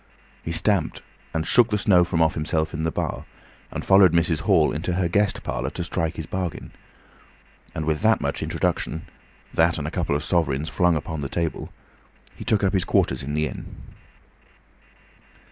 He stamped and shook the snow from off himself in the bar, and followed Mrs. Hall into her guest parlour to strike his bargain. And with that much introduction, that and a couple of sovereigns flung upon the table, he took up his quarters in the inn.